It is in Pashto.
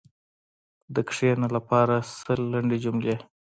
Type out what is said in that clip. د “کښېنه” لپاره سل لنډې جملې: